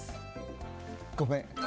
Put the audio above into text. ごめん。